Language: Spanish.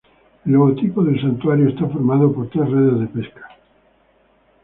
El logotipo del santuario está formado por tres redes de pesca.